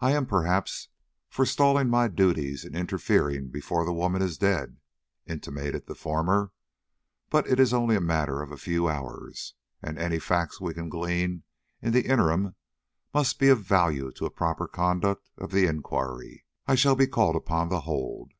"I am, perhaps, forestalling my duties in interfering before the woman is dead," intimated the former. "But it is only a matter of a few hours, and any facts we can glean in the interim must be of value to a proper conduct of the inquiry I shall be called upon to hold.